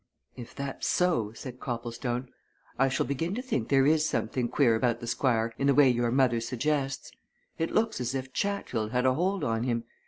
"If that's so," said Copplestone, "I shall begin to think there is something queer about the Squire in the way your mother suggests. It looks as if Chatfield had a hold on him.